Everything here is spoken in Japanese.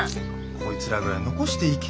こいつらぐらい残していけよ。